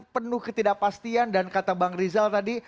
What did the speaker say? penuh ketidakpastian dan kata bang rizal tadi